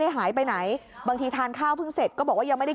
หายไปไหนบางทีทานข้าวเพิ่งเสร็จก็บอกว่ายังไม่ได้